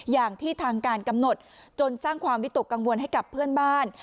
อย่างที่ทางการกำหนดจนสร้างความวิตกกังวลให้กับเพื่อนบ้าน